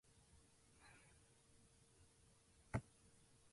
それでもまだ残っていましたから、